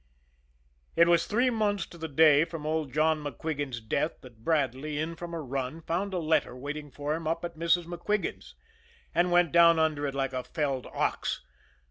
It was three months to the day from old John MacQuigan's death that Bradley, in from a run, found a letter waiting for him up at Mrs. MacQuigan's and went down under it like a felled ox!